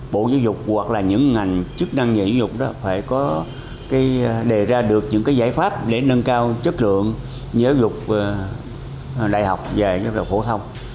bộ giáo dục hoặc là những ngành chức năng giải dục đó phải có đề ra được những giải pháp để nâng cao chất lượng giáo dục đại học về phổ thông